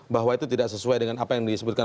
bahwa itu tidak sesuai dengan apa yang disebutkan